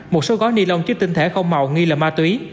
một số gói ni lông chứa tinh thể không màu nghi là ma túy